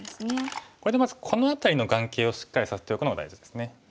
これでまずこの辺りの眼形をしっかりさせておくのが大事ですね。